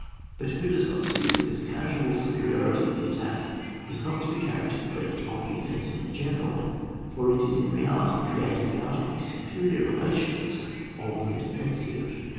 But who does not see that this casual superiority of the attack is not to be carried to the credit of the offensive in general, for it is in reality created out of the superior rela tions of the defensive.